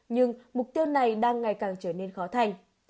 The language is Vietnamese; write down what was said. nhưng mục tiêu này đang ngày càng trở nên khó khăn